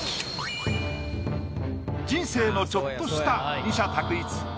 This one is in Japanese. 人生のちょっとした二者択一。